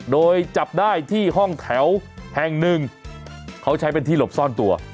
โดยจับได้ที่ห้องแถวแห่งหนึ่งเขาใช้เป็นที่หลบซ่อนตัว